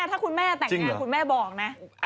ถ้าคุณแม่แต่งงานคุณแม่บอกนะ